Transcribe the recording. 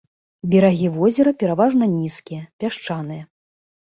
Берагі возера пераважна нізкія, пясчаныя.